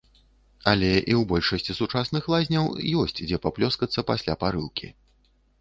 Але і ў большасці сучасных лазняў ёсць дзе паплёскацца пасля парылкі.